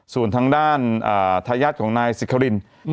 ส่วนทางด้านไทยาศของนายสิรีครินต์